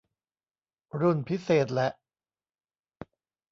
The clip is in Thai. รุ่นพิเศษแหละ